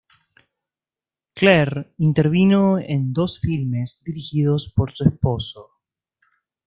Clair intervino en dos filmes dirigidos por su esposo.